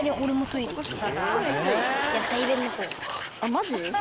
マジ？